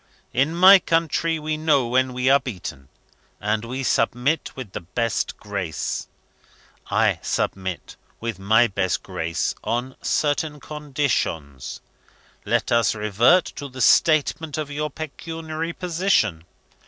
In my country, we know when we are beaten, and we submit with our best grace. I submit, with my best grace, on certain conditions. Let us revert to the statement of your pecuniary position.